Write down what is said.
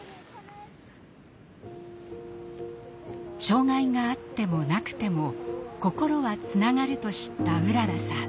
障害があってもなくても心はつながると知ったうららさん。